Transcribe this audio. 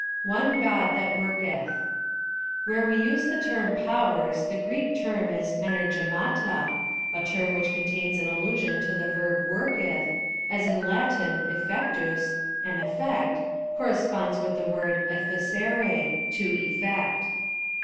One God that worheth. Wliere we use the word powers the Greek term is evepyrjfiara, a term which contains an allusion to the verb worketh, as in Latin effectus (an effect) corresponds with the verb efficere (to effect.)